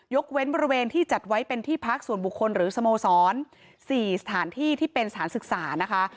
เว้นบริเวณที่จัดไว้เป็นที่พักส่วนบุคคลหรือสโมสร๔สถานที่ที่เป็นสถานศึกษานะคะ